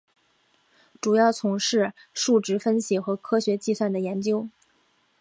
主要从事数值分析和科学计算的研究。